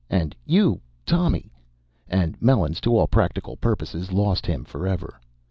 and "You Tommy!" and Melons to all practical purposes, lost him forever.